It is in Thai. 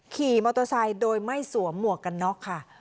ขี่มอเตอร์ไซค์โดยไม่สวมหมวกกันน็อกค่ะ